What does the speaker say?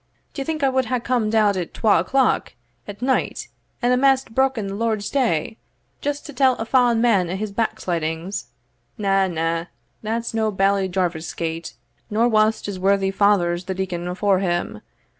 D'ye think I wad hae comed out at twal o'clock at night, and amaist broken the Lord's day, just to tell a fa'en man o' his backslidings? Na, na, that's no Bailie Jarvie's gate, nor was't his worthy father's the deacon afore him.